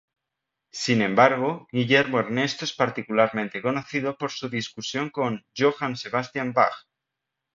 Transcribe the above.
Sin embargo, Guillermo Ernesto es particularmente conocido por su discusión con Johann Sebastian Bach.